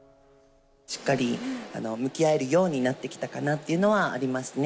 しっかり向き合えるようになってきたかなっていうのはありますね。